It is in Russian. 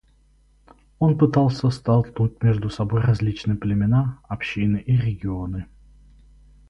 Он пытался столкнуть между собой различные племена, общины и регионы.